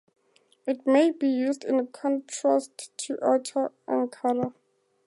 It may be used in contrast to Outer Ankara.